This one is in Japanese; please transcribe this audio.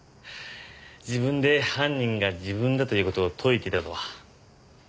自分で犯人が自分だという事を解いていたとは。